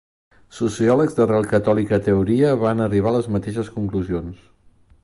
Sociòlegs d'arrel catòlica teoria van arribar a les mateixes conclusions.